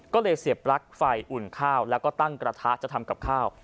ก็เลยเสียบปลั๊กไฟอุ่นข้าวแล้วก็ตั้งกระทะจะทำกับข้าว